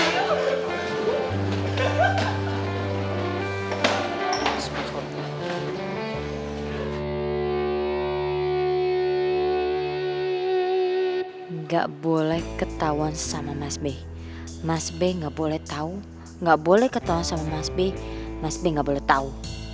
nggak boleh ketauan sama mas b mas b nggak boleh tau nggak boleh ketauan sama mas b mas b nggak boleh tau